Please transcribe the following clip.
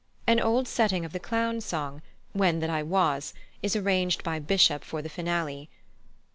An old setting of the Clown's song, "When that I was," is arranged by Bishop for the finale.